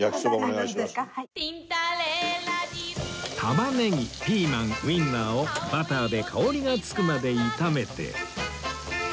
玉ねぎピーマンウィンナーをバターで香りがつくまで炒めて